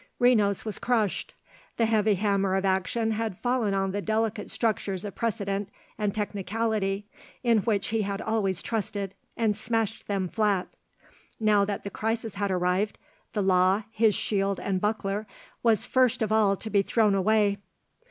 Renos was crushed. The heavy hammer of action had fallen on the delicate structures of precedent and technicality in which he had always trusted, and smashed them flat. Now that the crisis had arrived, the law, his shield and buckler, was first of all to be thrown away.